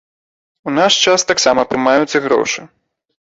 У наш час таксама прымаюцца грошы.